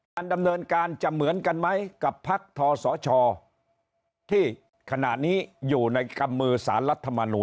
ดำเนินการจะเหมือนกันไหมกับพักทศชที่ขณะนี้อยู่ในกำมือสารรัฐมนูล